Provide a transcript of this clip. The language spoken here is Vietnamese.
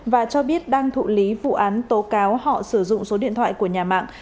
và cho biết đang thụ lý vụ án tố cáo họ sử dụng số điện thoại của nhà mạng